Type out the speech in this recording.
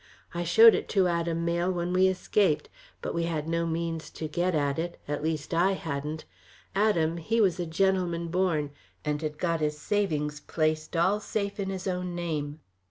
I showed it to Adam Mayle when we escaped, but we had no means to get at it at least, I hadn't. Adam, he was a gentleman born, and had got his savings placed all safe in his own name."